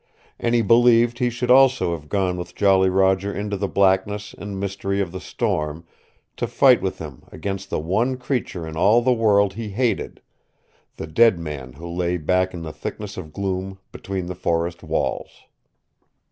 And he believed he should also have gone with Jolly Roger into the blackness and mystery of the storm, to fight with him against the one creature in all the world he hated the dead man who lay back in the thickness of gloom between the forest walls.